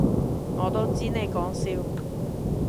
我都知你講笑